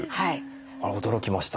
あれ驚きました。